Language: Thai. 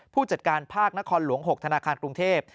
ผู้จัดการภาคนครหลวง๖ธนาคารกรุงเทพ